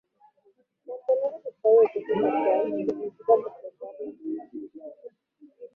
Mantener el estado de cosas actual significa perpetuar la injusticia.